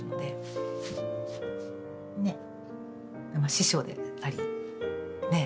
師匠でありねえ